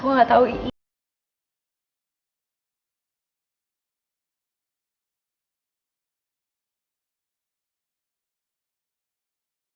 aku enggak tahu ingat